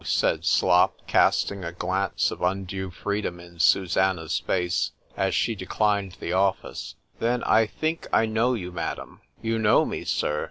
——said Slop, casting a glance of undue freedom in Susannah's face, as she declined the office;——then, I think I know you, madam——You know me, Sir!